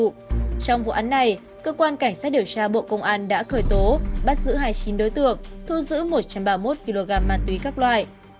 trong vụ án này cơ quan cảnh sát điều tra bộ công an đã khởi tố bắt giữ hai mươi chín đối tượng thu giữ một trăm ba mươi một kg ma túy các loại